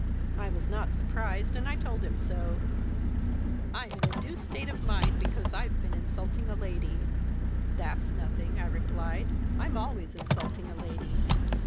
I was not surprised, and I told him so. 'I'm in a deuce of a state of mind because I've been insulting a lady.' 'That's nothing!' I replied. 'I'm always insulting a lady.'